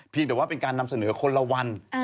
แต่ว่าเป็นการนำเสนอคนละวัน